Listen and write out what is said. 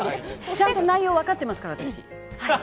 ちゃんと内容わかってますから、私。